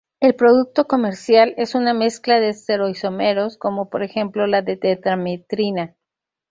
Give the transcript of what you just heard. El producto comercial es una mezcla de estereoisómeros, como por ejemplo la d-Tetrametrina.